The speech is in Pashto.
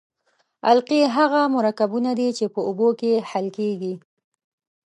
القلي هغه مرکبونه دي چې په اوبو کې حل کیږي.